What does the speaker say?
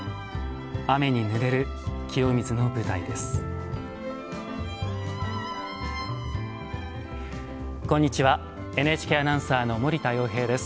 雨にぬれる清水の舞台です。